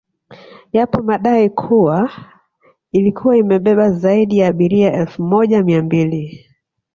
Yapo madai kuwa ilikuwa imebeba zaidi ya abiria elfu moja mia mbili